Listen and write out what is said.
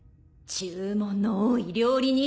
注文の多い料理人ね。